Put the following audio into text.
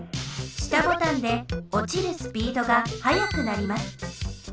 下ボタンでおちるスピードがはやくなります。